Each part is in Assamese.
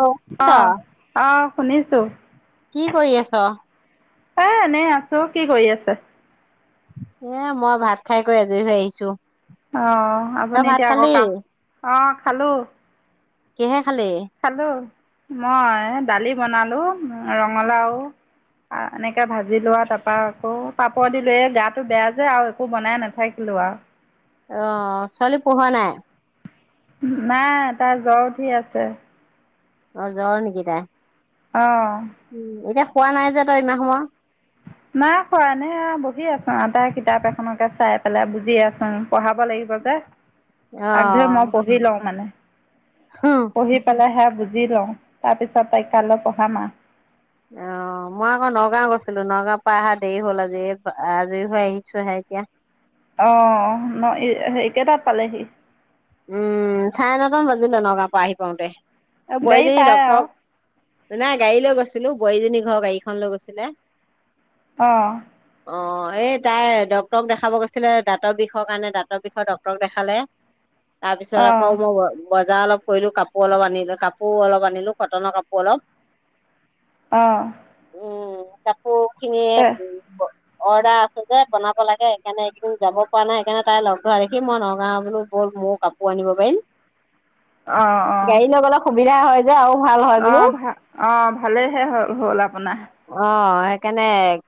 অ আছ অহ আহ শুনিছোঁ কি কৰি আছ‌ এ এনেই আছো কি কৰি আছে এ মই ভাত খাই কৈ আজৰি হৈ আহিছো অঁ তই আপুনি ভাত এতিয়া খালি আকৌ কাম অঁ খালোঁ কিহে খালি [inaudible] মই দালি বনালোঁ ৰঙালাও এনেকৈ ভাজি লোৱা আৰু তাৰপৰা আকৌ পাপৰ দিলোঁ এই গাটো বেয়া যে আৰু একো বনাই নাথাকিলোঁ আও আহ ছোৱালী পঢ়োৱা নাই নাই তাৰ জ্বৰ উতি আছে অ জৰ নেকি তাইৰ অ কোৱা নাই যে তই ইমান সময় নাই খোৱানে বহি আছো আ তাই কিতাপ এখনকে চাই পেলাই বুজি আছো পঢ়াব লাগিব যে অ আগ ধৰি মই পঢ়ি লওঁ মানে অ হুম পঢ়ি পেলে বুজি লওঁ তাৰ পিছত তাইক কাইলৈ পঢ়াম অ মই আকৌ নগাঁও গৈছিলো নগাঁওৰ পৰা অহা দেৰি হল আজি এই আজৰি হৈ আহিছো হে এতিয়া অ ন সেই কেইটাত পালেহি উম চাৰে নটামান বাজিলে নগাঁ পৰা আহি পাওঁতে বোৱাৰী গাড়ী জনি পায় আৰু ডক্টৰক নাই গাড়ী লৈ গৈছিলো বোৱাৰীজনী ঘৰ গাড়ীখন লৈ গৈছিলে অ অ এই ডক্টৰক দেখাব গৈছিলে দাতৰ বিষৰ কাৰণে দাতৰ বিষৰ ডক্টৰক দেখালে তাৰ পিছত অঁ আকৌ মই বজাৰ অলপ কৰিলো কাপোৰ অলপ আনিলো কাপোৰ অলপ আনিলো কটনৰ কাপোৰ অলপ আহ উ ত [unintelligible] অৰ্ডাৰ আছো যে বনাব লাগে সেইকাৰণে এইকেইদিন যাব পৰা নাই সেইকাৰণে তাই লগ ধৰা দেখি মই নগাও গলো বল মোৰ কাপোৰ আনিব পাৰিম অঁ অঁ বিধা হয় যে আৰু ভাল হয় বোলো আহ ভা আহ ভালেইহে হল হ'ল আপোনাৰ অ সেইকাৰণে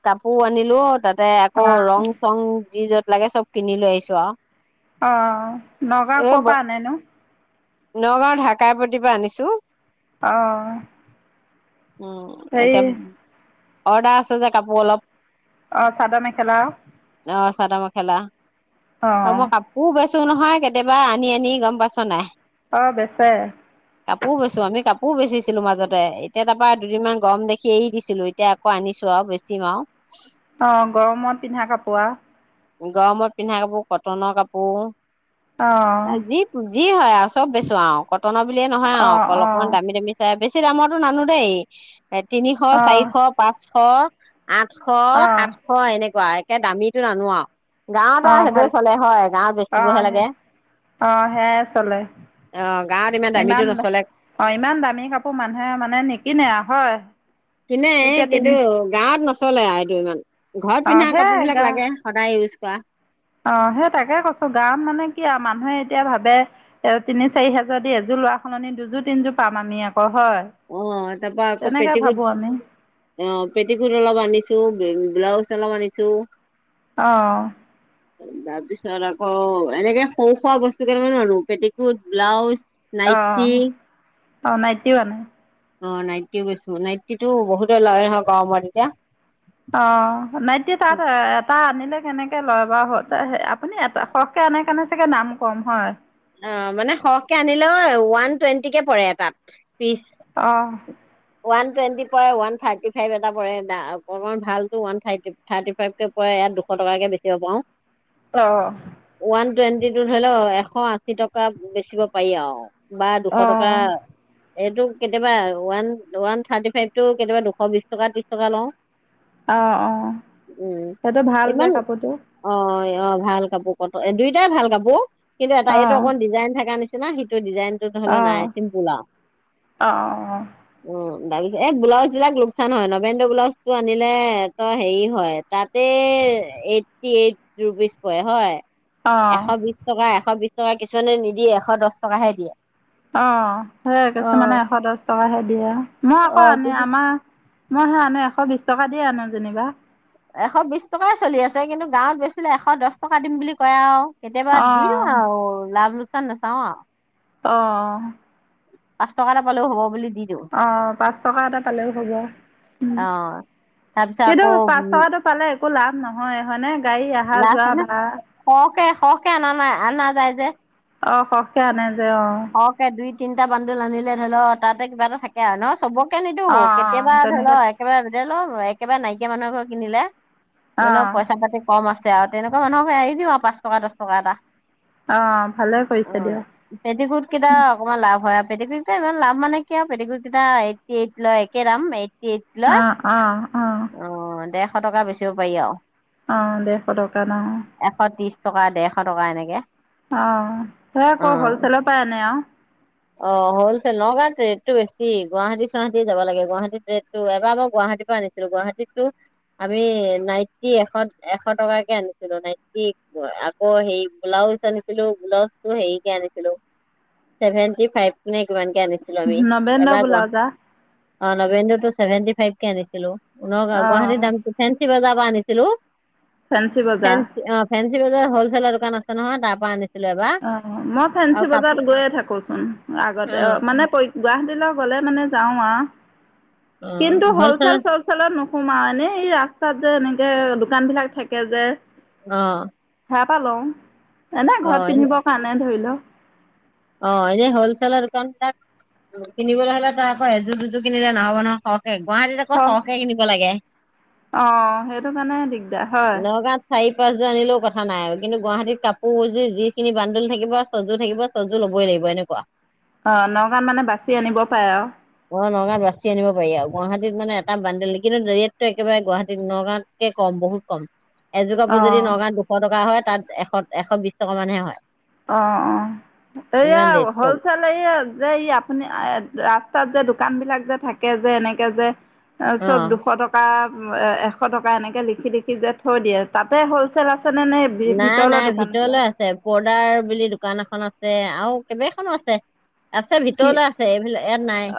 কাপোৰ আনিলো তাত ত আকৌ অঁ ৰং চং যি যত লাগে চব কিনি লৈ আহিছো আৰু আহ নগাঁৱ ক'ৰ পৰা আনেনো নগাঁওত ঢাকাই প্ৰতি আনিছো আহ উম এটা অৰ্ডাৰ আছে যে কাপোৰ অলপ অঁ চাদৰ মেখেলা অ চাদ মেখেলা অ অঁ মোৰ কাপোৰ বেছ ছো নহয় কেতিয়াবা আনি আনি গম পাইছ নাই অঁ বেচে কাপোৰ বৈছো আমি কাপোৰ বেচিছো ছিলো মাজতে এ তাৰ পৰা দুদিনমান গৰম দেখি এৰি দিছিলো এতিয়া আকৌ আনিছো আৰু বেছিম আৰু অঁ গৰমত পিন্ধা কাপোৰ আৰু গৰমত পিন্ধা কাপোৰ কটনৰ কাপোৰ অঁ যি যি হয় আৰু চব বেচো আৰু কটনৰ বুলিয়ে নহয় আৰু অঁ অকল অঁ অকমান দামি দামী চাই বেছো বেছি দামত নানো দেই এ তিনিশ, অঁ চাৰিশ, পাঁচশ অ আঠশ, অঁ সাতশ এনেকে একে দামী টো নানো আৰু গাঁৱত আৰু অঁ সেইটোৱে ভাল চলে হয় গাঁৱত বেচিবহে অঁ লাগে অঁ সেয়াই চলে আহ গাঁৱত ইমান দামীটো নচলে হে মানে নিকিনে হয় কিনে এই এতিয়া তিনি কিন্তু গাঁৱত নচলে আৰু এইটো ইমান ঘৰত অঁ পিন্ধা কাপোৰ বিলাক লাগে সদায় ইউজ কৰা অ সেই তাকে কৈছো গাঁত মানে কি আৰু মানুহে এতিয়া ভাবে এ তিনি চাৰি হেজাৰ দি এযোৰ লৰা সলনি দুযোৰ তিনযোৰ পাম আমি আকৌ হয় অ তাৰপা আকৌ তেনেকৈ পেটিকুট ভাবোঁ আমি অ পেটিকুট অলপ আনিছো ব্লাউজ অলপমান আনিছোঁ আহ তাৰ পিছত আকৌ এনেকে সৰু সুৰা বস্তু অলপ কেইটা মানে আনো পেটিকোট ব্লাউজ নাইটি অ নাইটি ও আনে অ নাইটিও বেছো নাইটি টো বহুতে লয় হয় গমৰত তেতিয়া অ নাইটি তাত এটা আনিলে কেনেকে লয় বাৰু আপুনি এটা সৰহকে আনেকাৰণে চাগে দাম কম হয় অ মানে সৰহকে আনিলে ওৱান টুৱেণ্টি কে পৰে এ তাত পিচ আহ ওৱান টুৱেণ্টি পৰে ওৱান থাৰ্টি ফাইভ এটা পৰে অকণমান ভাল ওৱান থাৰ্টি থাৰ্টি ফাইভকৈ পৰে ইয়াত দুশ টকাকৈ বেচিব পাৰো অ টুৱেণ্টি টো ধৰি লও এশ আশী টকা বেচিব পাৰি আৰু বা দুশ টকা অঁ এইটো কেতিয়াবা ওৱান ওৱান থাৰ্টি ফাইভতটো কেতিয়াবা দুশ বিশ টকা ত্ৰিশ টকা লওঁ অ অ উম তাতো ভাল যে ইমান কাপোৰটো অ অ ভাল কাপোৰ কট এ দুইটাই ভাল কাপোৰ কিন্তু এটা এইটো অ', অকণ ডিজাইন থকা নিচনা তেনা হিট ডিজাইনটোত হলেও নাই অ', চিম্পোল আৰু অ', অহ', লাগি দে এই ব্লাউজ বিলাক লোকচান হয় নবেন্দ্ৰ ব্লাউজটো আনিলে তই হেৰি হয় তাতে এইটটি এইট ৰুপিজ প হয়। এশ অ', বিশ টকা এশ এশ বিশ টকা কিছুমানে নিদিয়ে এশ দহ টকাহে দিয়ে। অ ', সেই অ কিছুমানে এশ দহ টকাহে দিয়ে আৰু মই অ আকৌ আনে আমাৰ মইহে আনো এশ বিশ টকা দিয়ে আনো যেনিবা। এশ বিশ টকাই চলি আছে কিন্তু গাঁৱত বেছিলিলে এশ দহ টকা দিম বুলি কয় আৰু। কেতিয়াবা দি অ', দিওঁ আৰু লাভ ল তে', নেচাওঁ আৰু অ', পাঁচ টকা এটা পালেও হ'ব বুলি দি দিওঁ অ', পাঁচ টকা এটা পালেও হব উ', অ তাৰপিছত কিন্তু আকৌ উম পাঁচ টকাটো পালে একো লাভ নহয় হয়নে? গাড়ী অহা লা যোৱা ভাড়া সকে -সকে অননান আনাজাইে অ', সখকে আনে যে অ', অক দুই তিনিটা বানদুল আনিলে ধৰি লও তাতে কিবা এটা থাকে আৰু ন চবক নিদিও অ', অ', কেতিয়াবা ধৰি তেনেকে ল একেবাৰে লম একেবাৰে নাইকিয়া মানুহ এঘৰে কিনিলে। তোৰ অ', অলপ পইচা পাতি কম আছে তেয়া তেনেকুৱা মানুহকে আহি দিওঁ আৰু পাঁচ টকাহ, টকা দহ টকা এটা। অ', ভালে কৰিছে দিয়া। পেটিকুত কেইটা অকনমান লাভ হয়। পেটিকোট কেইটা ইমান লাভ মানে কি আৰু, পেটিকোটকেইটা এইটি এইট লৈ একে দাম এইট আহ', - আহ ', - আহ ', এশ টকা বেচিব পাৰি আৰু আহ দেৰশ টকা ন', এশ ত্ৰিশ টকা ডেৰশ টকা এনেকে। অ', সে আকৌ অ', হলছেলত পা আনে আৰু অ', হলচেল নগাঁৱ ৰেটটো বেছি, গুৱাহাটী চুৱাহাটি যাব লাগে। গুৱাহাটীত ৰেটটো এবাৰ মই গুৱাহাটীৰ পৰা আনিছিলো গুৱাহাটীতো, আমি নাইটি, এশ -এশ টকাকে আনিছিলো নাইটি আকৌ হে ব্লাউজ আনিছিলো ব্লাউজটো হেৰিকে আনিছিলো চেভেন ফিফটি ফাইভ নে কিমান? এনেকে আনিছিলো আমি নবেন্দৰ এবাৰ গুৱা ব্লাউজা অ' নবেণ্ড টো চেভেন্টি ফাইভ কে আনিছিলো। নগাঁও অঁ গুৱাহাৰী দাম ফেঞ্চি বজাৰ আনিছিলো। ফেঞ্চি বজাৰ অ ' ফেঞ্চি। বজাৰ হলছেলৰ দোকান আছে নহয় তাৰ পৰা আনি অ' মই ফেঞ্চি বজাৰত গৈয়ে থাকোচোন। আগতে অ মানে পৰীক্ষা। গুৱাহাটীলৈ গ'লে মানে যাওঁ আওঁ। অ কিন্তু হ'ল চেল হলচেলৰ চল চেলত নোসো। সোমাও এনে এই ৰাস্তাত যে এনেকে দোকান বিলাক থাকে যে। অ ' তাৰ পৰা লওঁ। এনেই ঘৰত। পিন্ধিবৰ কাৰণে ধৰি লওক। অ' এনেই হল চেলৰ দোকানখনত কিনিবলৈ হ'লে তাৰ পৰা এযোৰ দুযোৰ কিনিলে নহ'ব নহয় সৰহ। গুৱাহাটীত আকৌ লওক সৰহ কৰে কিনিব লাগে অঁ সেইটো কাৰণে দিগদাৰ হয় নগাঁৱত চাৰি পাছযোৰ আনিলেও কথা নাই আৰু কিন্তু গুৱাহাটীত কাপোৰযোৰ যিখিনি বান্দোল থাকিব চজো থাকিব চজোৰ ল'বই লাগিব এনেকুৱা। অ' নগাঁৱত মানে বাচি আনিব পাৰে আও। অ' নগাঁৱত বাচি আনিব পাৰি আৰু গুৱাহাটীত মানে এটা বানদেলি কিন্তু ৰেটটো একেবাৰে গুৱাহাটীত নগাঁৱতকে কম বহুত কম। এযোৰ কাপোৰ যদি অঁ নগাঁৱত দুশ টকা হয়। তাত এশ এশ বিশ টকা মানহে হয়। অ -অ এইয়া ইমান ৰেট কম হ'লচেল এই যে আপুনি তাত যে দোকান বিলাক যে থাকে যে এনেকে যে অ চব দুশ টকা। উ এশ টকা এনেকে লিখি -লিখি যে থৈ দিয়ে তাতে হ'লচেল আছে। নাই -নাই ভিতৰলৈ আছে পৰ্দাৰ বুলি দোকান। দোকান এখন আছে আৰু কেইবাখনো আছে। আছে কি ভিতৰলৈ আছে এইবিলাক ইয়াত নাই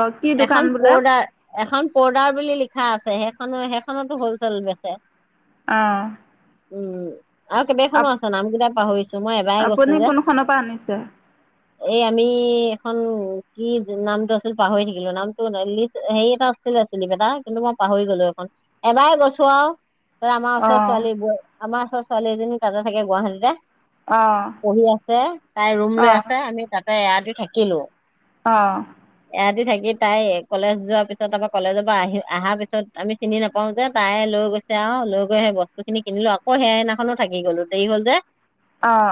অঁ কি দোকান এখন বোলে পৰ্দাৰ এখন পৰ্দাৰ বুলি লিখা আছে সেইখনো সেইখনতো হলচেল বেচে। অ ' উম। আৰু কেইবাখনো আছ নাম কেইটা পাহৰিছো মই এবাৰ গৈছো আপুনি যে। কোনখনৰ পৰা আনিছে এই আমি এখন কি নামটো আছিল পাহৰি থাকিলো নামটো লিষ্ট হেৰি এটা আছিল চিপটা কিন্তু মই পাহৰি 'গলো এখন এবাৰে গৈছো আও। ত আমাৰ ওচৰ অঁ ছোৱালী ব আমাৰ ওচৰ ছোৱালীজনী তাতে থাকে গুৱাহাটীতে অঁ পঢ়ি আছে তাই ৰুম লৈ অঁ আছে আমি তাত এয়াটি থাকিলো অঁ এৰাতি থাকি তাই কলেজ যোৱাৰ পিছত তপৰা কলেনজৰ পৰা আহি অহাৰ পিছত আমি চিনি নাপাওঁ যে তাই লৈ গৈছে আৰু লৈ গৈ সেই বস্তুখিনি কিনিলো অ সেনাখনোা থাকি গলো দেৰি হ'ল যে অঁ অঁ অঁ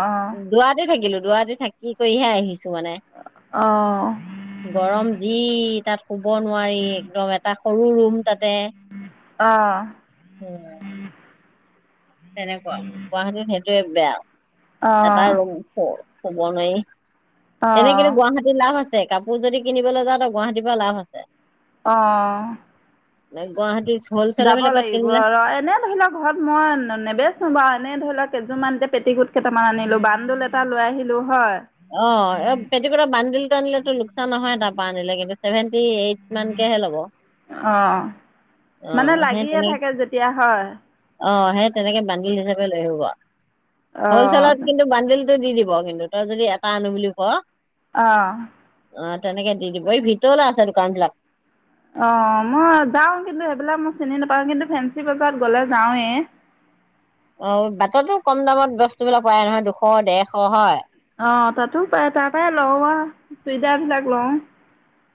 দুৰাতি থাকিলো দোৰাতি থাকি কৰিহে আহিছো মানে গৰম যি তাত শুব নোৱাৰি একদম এটা সৰু ৰুম তাতে আহ উম তেনেকুৱা গুৱাহাটীত বেয়া এটাই ৰুম হুব নোৱাৰি এনে অঁ কিন্তু গুৱাহাটীত লাভ আছ কাপোৰ যদি কিনিবলৈ যাওঁ গুৱাহাটীৰ পৰা লাভ আছে। আহ নাই গুৱাহাটী হলচেলৰ যাব বিলাকত লাগিব কিনিলে ৰ এনে ধৰি লওক ঘৰত মই নেবেচ বাৰু এনে ধৰি লওক কেইযোৰমান পেটি কুট কেইটামান আনিলো বানদোল এটা লৈ আহিলো হয় টো লোকচান নহয় তাৰপৰা আনিলে কিন্তু চছেভেন্টি এইট মানকেহে ল'ব অঁ অ মানে সেই লাগিয়ে তেনেকে থাকে যেতিয়া হয় অ সেই তেনেকে বান্ধিল হিচাপে লৈ আহিব অঁ হ'লচেলত কিন্তু বন্দিল টো দি দিব কিন্তু তই যদি এটা আনো বুলি ক আহ অ তেনেকে দি দিব এই ভিতৰলৈ আছে দোকান বিলাক অ মই যাও কিন্তু সেইবিলাক মই চিনি নাপাওঁ কিন্তু ফেঞ্চি বজাৰত গ'লে যাওঁৱে অ বাটতো কম দামত বস্তুবিলাক পাই নহয় দুশ ডেৰশ হয় অ তাতো পই তাপাই লওঁ চুইজাাৰ বিলাক লওঁ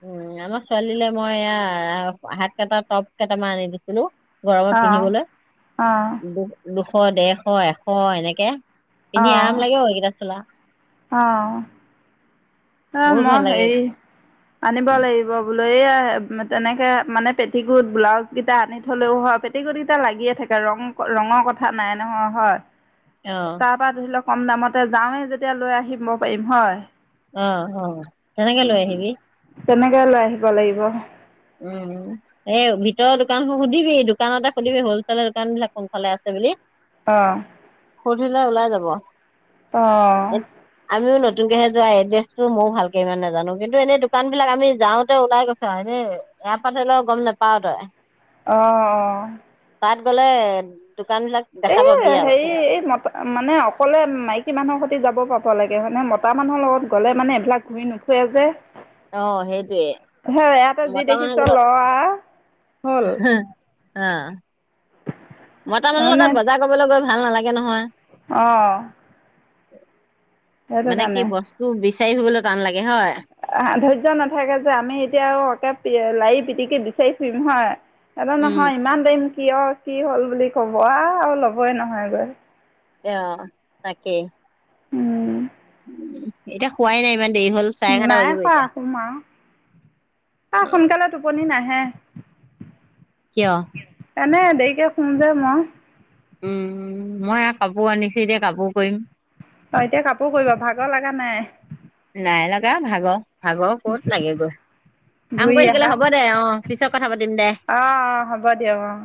উ আমাৰ ছোৱালীলৈ মই এয়া হাত কেইটা টপ কেইটামান আনি দিছিলো গৰমত অঁ পিন্ধিবলৈ অঁ দু দুখ এশ দেৰশ এশ এনেকে পিন্ধি আৰাম লাগে অ একেইটা চোলা অ অ অ বহুত মই ভাল লাগে সেই আনিব লাগিব লৈয়ে আহ তেনেকে মানে পেটিকুট ব্লাউজ কেইটা আনি থলেও হয় পেটিকুট কেইটা লাগিয়ে থাকে ৰং ৰঙৰ কথা নাই নহয় হয় অ তাৰপা ধৰি লওক কম দামতে যাওঁৱেই যেতিয়া লৈ আহিম পাৰিম হয় অ অ তেনেকে লৈ আহিবি তেনেকে লৈ আহিব লাগিব উম এই ভিতৰৰ দোকানত সুধিবি দোকানতে সুধিবি হলছেলৰ দোকান বিলাক কোনফালে আছে বুলি অ সুধিলে ওলাই যাব অ আমিও নতুনকেহে যোৱা এড্ৰেছটো মো ভালকে ইমানে নাজানো কিন্তু এনে দোকান বিলাক আমি যাওঁতে ওলাই গৈছো এয়া পা ধৰি ল গম নোপাও তই অ অ তাত গ'লে দোকান বিলাক এ দেখা পাবি আৰু হেৰি এই মতা মানে অকলে মাইকী মানুহৰ সতে যাব পাব লাগে মানে মতা মানুহৰ লগত গ'লে মানে এইবিলাক ঘূৰি নুফুৰে যে অ সেইটোৱে সেই ইয়াতে যি দেখিছ মতামানুহ ল বিলাক আ হ'ল অ মতামানুহৰ লগত বজাৰ কৰিবলৈ গ'ল ভাল নালাগে নহয় অ উ [inaudible] মানে কি বস্তু বেছি বিচাৰি বুলিবলৈ টান লাগে হয় ধৰ্য্য নাথাকে যে আমি এতিয়া আৰু লাইভ পিটিকে বিচাৰি ফুৰিম হয় দাদা উম নহয় ইমান দাম কিয় কি হ'ল বুলি কব আৰু ল'বই নহয় গৈ অ তাকে উম এতিয়া হোৱাই নাই ইমান দেৰি হ'ল চাৰে এঘাৰটা নাই বাজিব শুৱা এতিয়া শুম আৰু সোনকালে টোপনি নাহে হা কিয় এনেই দেৰিকে শুম যে মই। উম, মই আৰু কাপোৰ আনিছো এতিয়া কাপোৰ কৰিম অ' এতিয়া কাপোৰ কৰিবা ভাগৰ লগা নাই? এ ভাগৰ ভাগৰ ক'ত লাগে গৈ কাম ঘূৰি কৰি থাকিলে আহা হ'ব দে অ' পিছত কথা পাতিম দে। অঁ অঁ হ'ব দিয়ক অঁ